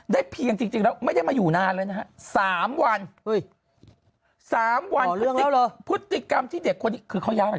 ได้เพียงจริงที่ไม่ได้มาอยู่นานเลยนะ๓วัน๓วันเรื่องพฤติกรรมที่เด็กคนคือเขาย้ายมา